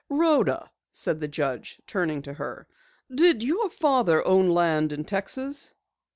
"Rhoda," said the judge, turning to her, "did your father own land in Texas?"